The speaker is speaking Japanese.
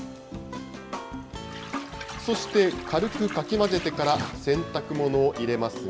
そして軽くかき混ぜてから洗濯物を入れますが。